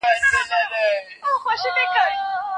چادري په کور کي نه اغوستل کېږي.